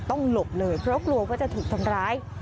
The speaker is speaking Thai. ต้องหลบเลยเพราะหนวงว่าจะถูกทำร้าย